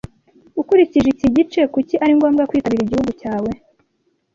Ukurikije iki gice kuki ari ngombwa kwitabira igihugu cyawe